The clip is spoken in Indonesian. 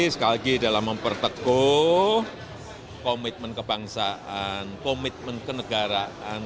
sekali dalam mempertekuh komitmen kebangsaan komitmen kenegaraan